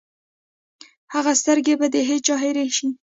هغه سترګې به د چا هېرې شي!